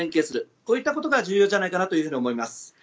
こういったことが重要じゃないかと思います。